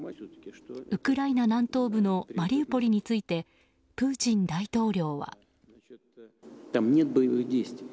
ウクライナ南東部のマリウポリについてプーチン大統領は。